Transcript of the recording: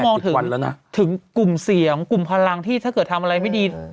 ๖๓๘ต้องมองถึงกลุ่มเสี่ยงกลุ่มพลังที่ถ้าเกิดทำอะไรไม่ดี